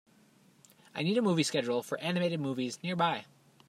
I need a movie schedule for animated movies nearby